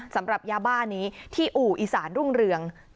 สำหรับยาบ้านี้ที่อู่อีสานรุ่งเรือง